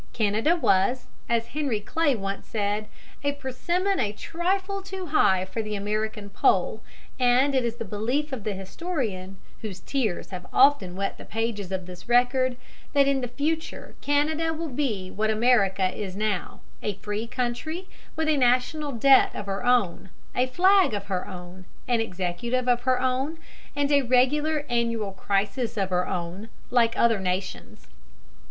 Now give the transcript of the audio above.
Canada was, as Henry Clay once said, a persimmon a trifle too high for the American pole, and it is the belief of the historian, whose tears have often wet the pages of this record, that in the future Canada will be what America is now, a free country with a national debt of her own, a flag of her own, an executive of her own, and a regular annual crisis of her own, like other nations.